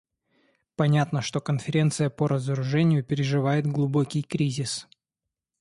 Понятно, что Конференция по разоружению переживает глубокий кризис.